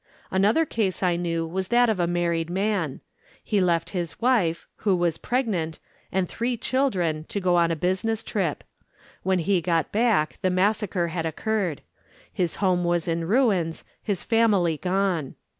Another case I knew was that of a married man. He left his wife, who was pregnant, and three children, to go on a business trip. When he got back the massacre had occurred. His home was in ruins, his family gone.